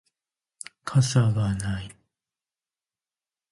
傘がない